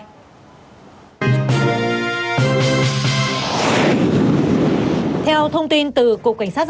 thủ tướng ban hành chỉ thị về những nhiệm vụ trọng tâm sau kỳ nghỉ tết